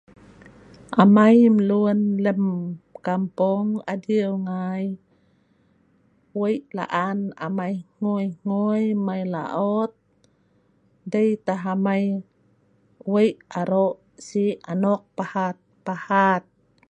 Amai mlun lem kampung adieu ngai, wik laan amai hgoi hgoi mei laot, dei tah amai wik arok sii anok pahat pahat